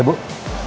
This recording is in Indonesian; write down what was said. silahkan bu